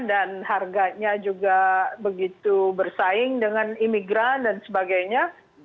harganya juga begitu bersaing dengan imigran dan sebagainya